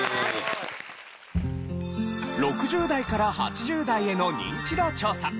６０代から８０代へのニンチド調査。